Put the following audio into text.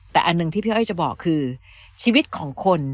แต่อันหนึ่งที่พี่อ้อยจะบอกคือชีวิตของคน